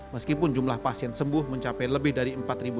meskipun jumlah pasien sembuh mencapai lebih dari empat ratus